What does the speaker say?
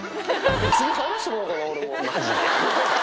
次入らせてもらおうかな、俺も。